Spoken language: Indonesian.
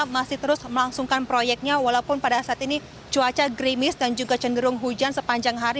masih terus melangsungkan proyeknya walaupun pada saat ini cuaca grimis dan juga cenderung hujan sepanjang hari